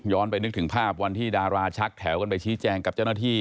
ไปนึกถึงภาพวันที่ดาราชักแถวกันไปชี้แจงกับเจ้าหน้าที่